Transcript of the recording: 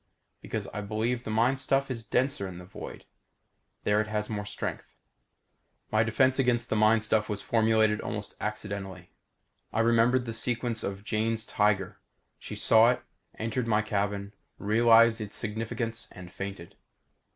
Because, I believe, the mind stuff is denser in the void. There it has more strength. My defense against the mind stuff was formulated almost accidentally. I remembered the sequence of Jane's tiger. She saw it, entered my cabin, realized its significance, and fainted.